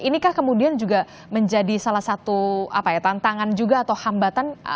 inikah kemudian juga menjadi salah satu tantangan juga atau hambatan